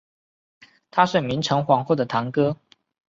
他是明成皇后的堂哥。